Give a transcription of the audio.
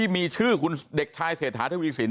มีชื่อคุณเด็กชายเศรษฐาทวีสิน